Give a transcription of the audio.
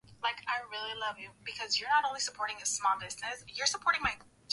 omar amesema wanasubiri majibu kutoka kwa wataalam wa masuala ya nuclear